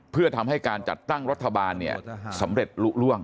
เพื่อทำให้การจัดตั้งรัฐบาลสำเร็จลุล่วง